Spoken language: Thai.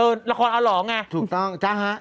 เออละครอ่ะเหรอไงถูกต้องใช่ฮะ